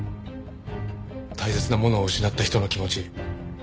大切なものを失った人の気持ち。